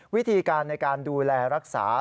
วิธีการในการดูแลรักษา